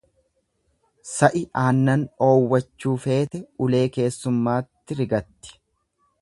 Sa'i aannan dhoowwachuu feete ulee keessummatti rigatti.